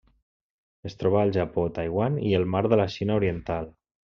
Es troba al Japó, Taiwan i el Mar de la Xina Oriental.